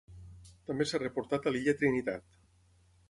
També s'ha reportat a l'illa Trinitat.